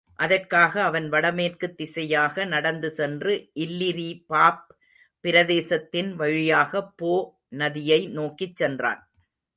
அதற்காக அவன் வடமேற்குத் திசையாக நடந்து சென்று இல்லிரிபாப் பிரதேசத்தின் வழியாகப் போ நதியை நோக்கிச் சென்றான்.